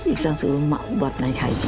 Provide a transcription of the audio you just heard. iksan suruh ma buat naik haji